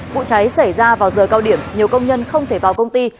vụ cháy xảy ra vào giờ cao điểm nhiều công nhân không thể vào công ty